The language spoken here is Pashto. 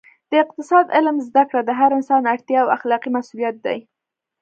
د اقتصاد علم زده کړه د هر انسان اړتیا او اخلاقي مسوولیت دی